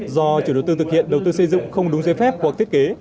do chủ đầu tư thực hiện đầu tư xây dựng không đúng giới phép hoặc thiết kế